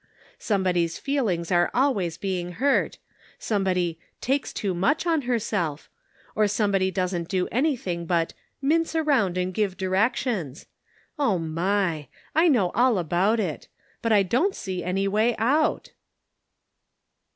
Somebody's feelings are always getting hurt ; somebody ' takes too much on herself;' or somebody doesn't do anything but ' mince around and give directions.' Oh, my ! I know all about it; but I don't see any way out."